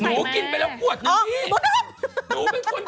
หนูกินไปแล้วขวดนึงพี่หนูเป็นคน